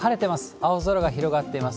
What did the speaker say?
青空が広がっています。